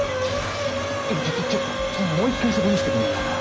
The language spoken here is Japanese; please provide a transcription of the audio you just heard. ちょちょちょっともう一回そこ見せてくんないかな。